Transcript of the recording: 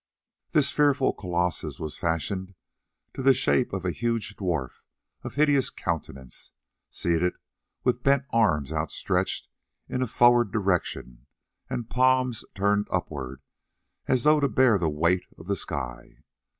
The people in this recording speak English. This fearful colossus was fashioned to the shape of a huge dwarf of hideous countenance, seated with bent arms outstretched in a forward direction, and palms turned upwards as though to bear the weight of the sky.